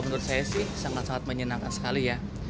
menurut saya sih sangat sangat menyenangkan sekali ya